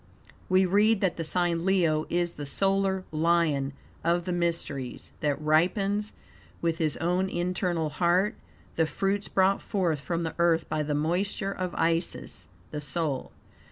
We read that the sign Leo is the "solar Lion of the mysteries, that, ripens with his own internal heat the fruits brought forth from the Earth by the moisture of Isis (the soul)."